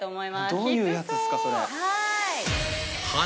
どういうやつですか？